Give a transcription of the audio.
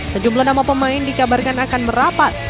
sejumlah nama pemain dikabarkan akan merapat